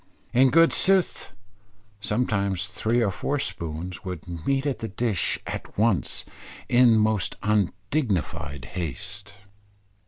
In good sooth, sometimes three or four spoons, would meet at the dish at once in most undignified haste.